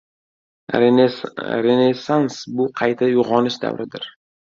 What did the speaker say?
Renessans- bu qayta uyg'onish davridir!